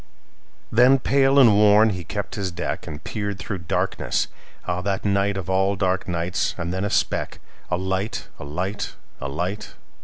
Then, pale and worn, he kept his deck, And peered through darkness. Ah, that nightOf all dark nights! And then a speck—A light! A light! A light!